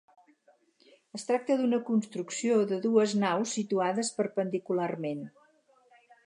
Es tracta d'una construcció de dues naus situades perpendicularment.